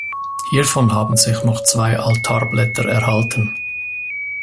Hiervon haben sich noch zwei Altarblätter erhalten.